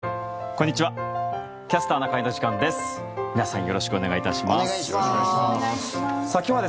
こんにちは。